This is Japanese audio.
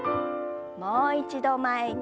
もう一度前に。